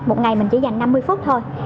một ngày mình chỉ dành năm mươi phút thôi